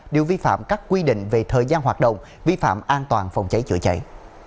đều vi phạm các quy định về thời gian hoạt động vi phạm an toàn phòng cháy chữa cháy